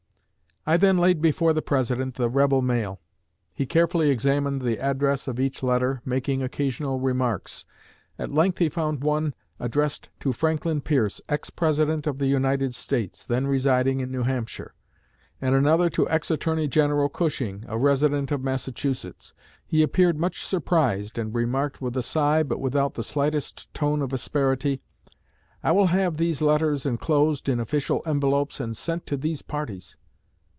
I then laid before the President the 'rebel mail.' He carefully examined the address of each letter, making occasional remarks. At length he found one addressed to Franklin Pierce, ex President of the United States, then residing in New Hampshire; and another to ex Attorney General Cushing, a resident of Massachusetts. He appeared much surprised, and remarked with a sigh, but without the slightest tone of asperity, 'I will have these letters enclosed in official envelopes, and sent to these parties.'